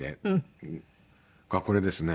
これですね。